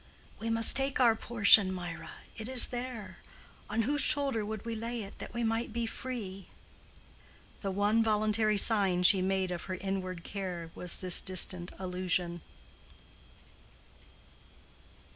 "We must take our portion, Mirah. It is there. On whose shoulder would we lay it, that we might be free?" The one voluntary sign she made of her inward care was this distant allusion.